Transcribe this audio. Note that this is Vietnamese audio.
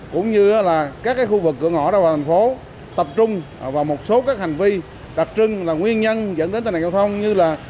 cũng như là các khu vực cửa ngõ ra vào thành phố tập trung vào một số các hành vi đặc trưng là nguyên nhân dẫn đến tai nạn giao thông như là